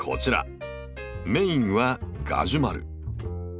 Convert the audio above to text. メインはガジュマル。